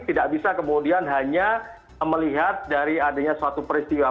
tidak bisa kemudian hanya melihat dari adanya suatu peristiwa